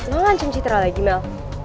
lo ngancam citra lagi mel